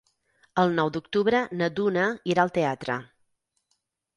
El nou d'octubre na Duna irà al teatre.